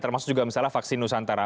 termasuk juga misalnya vaksin nusantara